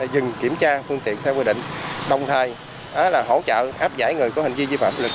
dừng kiểm tra phương tiện theo quy định đồng thời hỗ trợ áp giải người có hành vi vi phạm lịch